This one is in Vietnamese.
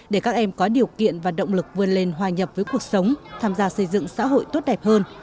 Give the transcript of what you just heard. để các em có điều kiện và động lực vươn lên hòa nhập với cuộc sống tham gia xây dựng xã hội tốt đẹp hơn